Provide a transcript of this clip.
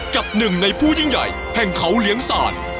กับหนึ่งในผู้ยิ่งใหญ่แห่งเขาเลี้ยงศาสตร์